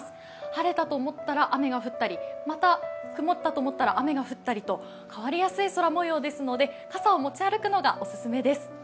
晴れたと思ったら雨が降ったりまた曇ったと思ったら雨が降ったりと変わりやすい空模様ですので傘を持ち歩くのがオススメです。